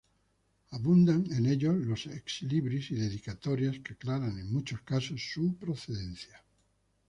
Abundan en ellos los exlibris y dedicatorias que aclaran en muchos casos su procedencia.